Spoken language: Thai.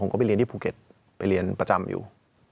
ก็ไปเรียนที่ภูเก็ตไปเรียนประจำอยู่